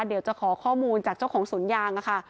เดี๋ยวจะขอข้อมูลจากเจ้าของสวนยางค่ะ